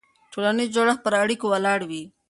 ټولنیز جوړښت پر اړیکو ولاړ وي.